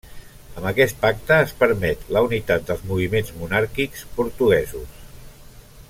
Amb aquest pacte es permet la unitat dels moviments monàrquics portuguesos.